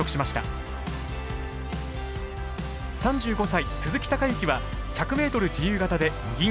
３５歳鈴木孝幸は１００ｍ自由形で銀。